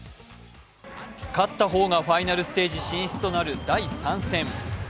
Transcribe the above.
勝った方がファイナルステージ進出となる第３戦。